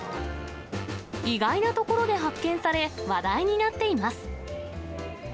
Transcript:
意外な所で発見され、話題になっています。